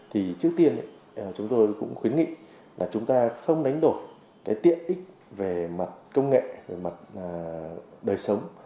thì trước tiên chúng tôi cũng khuyến nghị là chúng ta không đánh đổi cái tiện ích về mặt công nghệ về mặt đời sống